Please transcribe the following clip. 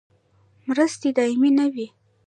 مرستې دایمي نه وي